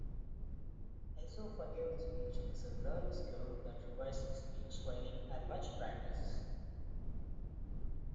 Esophageal speech is a learned skill that requires speech training and much practice.